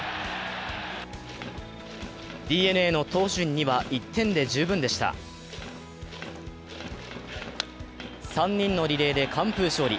ＤｅＮＡの投手陣には１点で十分でした３人のリレーで完封勝利。